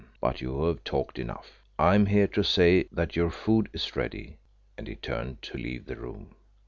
But you have talked enough; I am here to say that your food is ready," and he turned to leave the room.